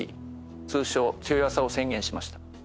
通称「つよやさ」を宣言しました。